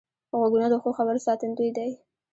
غوږونه د ښو خبرو ساتندوی دي